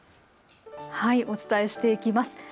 お伝えしていきます。